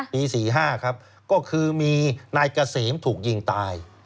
ปี๔๕ครับก็คือมีนายเกษมถูกยิงตาย